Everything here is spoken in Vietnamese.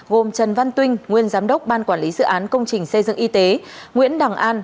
gồm trần văn tuyên nguyên giám đốc ban quản lý dự án công trình xây dựng y tế nguyễn đằng an